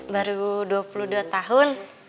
baru dua puluh dua tahun